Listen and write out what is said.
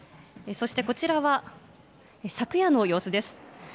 そしてこちらは昨夜の様子です。